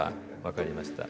分かりました。